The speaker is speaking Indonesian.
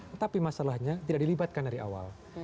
tetapi masalahnya tidak dilibatkan dari awal